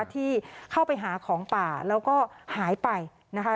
ที่เข้าไปหาของป่าแล้วก็หายไปนะคะ